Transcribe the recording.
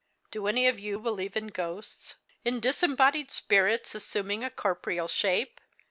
"Do any of you believe in ghosts? in disembodied spirits assuming a corporeal shape?